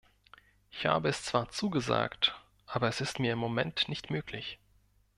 Ich habe es zwar zugesagt, aber es ist mir im Moment nicht möglich.